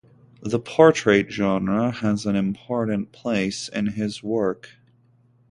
The portrait genre has an important place in his work.